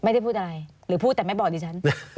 ไม่ได้พูดอะไรหรือพูดแต่ไม่บอกดิฉัน